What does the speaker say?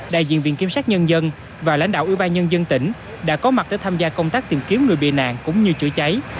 đại diện viện kiểm sát nhân dân và lãnh đạo ủy ban nhân dân tỉnh đã có mặt để tham gia công tác tìm kiếm người bị nạn cũng như chữa cháy